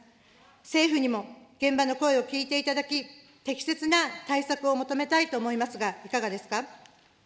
政府にも現場の声を聞いていただき、適切な対策を求めたいと思いますがいかがですか。